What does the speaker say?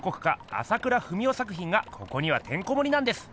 朝倉文夫作品がここにはてんこもりなんです。